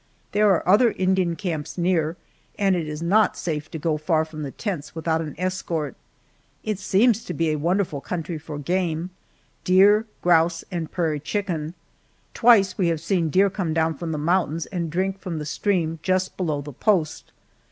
There are other Indian camps near, and it is not safe to go far from the tents without an escort. It seems to be a wonderful country for game deer, grouse, and prairie chicken. Twice we have seen deer come down from the mountains and drink from the stream just below the post.